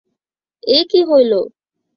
এ কী হইল।